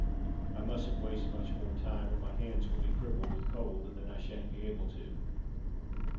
I mustn't waste much more time or my hands will be crippled with cold and then I shan't be able to.